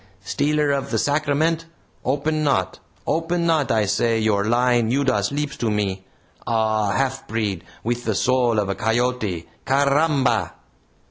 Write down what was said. "Stealer of the Sacrament! Open not! open not, I say, your lying, Judas lips to me! Ah! half breed, with the soul of a coyote! car r r ramba!"